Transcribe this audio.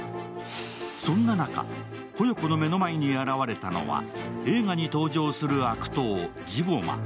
そんな中、古代子の目の前に現れたのは映画に登場する悪党、ジゴマ。